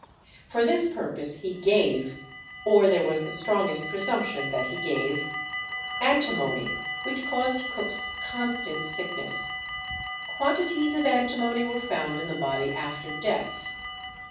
For this purpose he gave, or there was the strongest presumption that he gave, antimony, which caused Cook's constant sickness. Quantities of antimony were found in the body after death.